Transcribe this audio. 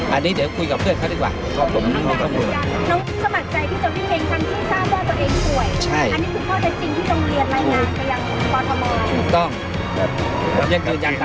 อันนี้เดี๋ยวคุยกับเพื่อนเขาดีกว่า